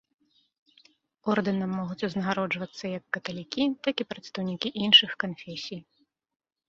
Ордэнам могуць узнагароджвацца як каталікі, так і прадстаўнікі іншых канфесій.